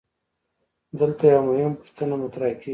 دلته یوه مهمه پوښتنه مطرح کیږي.